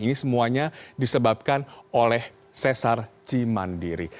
ini semuanya disebabkan oleh sesar cimandiri